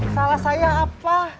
salah saya apa